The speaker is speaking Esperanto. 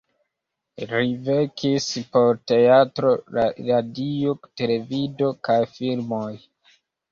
Li verkis por teatro, radio, televido, kaj filmoj.